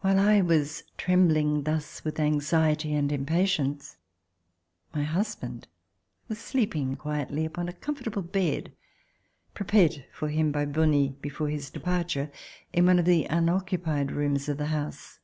While I was trembling thus with anxiety and im patience, my husband was sleeping quietly upon a comfortable bed prepared for him by Bonle before his departure. In one of the unoccupied rooms of the house.